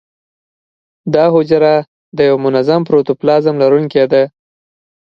دا حجره د یو منظم پروتوپلازم لرونکې ده.